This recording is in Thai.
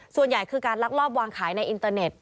ส่วนใหญ่คือการลักลอบวางขายในอินเตอร์เน็ต